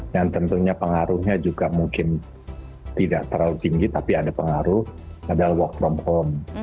yang tentunya pengaruhnya juga mungkin tidak terlalu tinggi tapi ada pengaruh adalah work from home